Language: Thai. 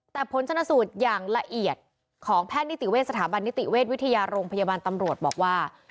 แต่ผลชนสูตรอย่างละเอียดของแพทย์นิติเวชสถาบันนิติเวชวิทยาโรงพยาบาลตำรวจบอกว่า